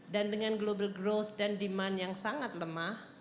dan dengan global growth dan demand yang sangat lemah